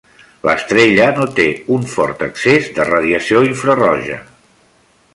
L'estrella no té un fort excés de radiació infraroja.